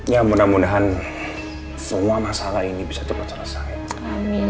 ya mudah mudahan semua masalah ini bisa cepat selesai